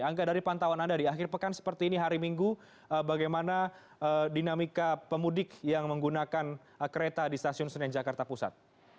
angga dari pantauan anda di akhir pekan seperti ini hari minggu bagaimana dinamika pemudik yang menggunakan kereta di stasiun senen jakarta pusat